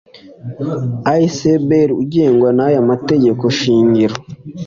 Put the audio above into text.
Asbl ugengwa n aya mategeko shingiro